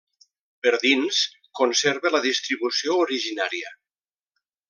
Per dins conserva la distribució originària.